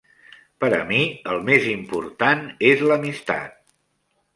Per a mi el més important és l'amistat.